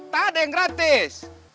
tidak ada yang gratis